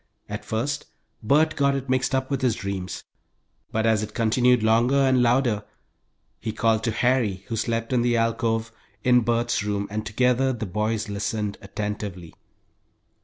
At first Bert got it mixed up with his dreams, but as it continued longer and louder, he called to Harry, who slept in the alcove in Bert's room, and together the boys listened, attentively.